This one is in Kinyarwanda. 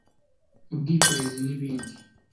ubwikorezi n’ibindi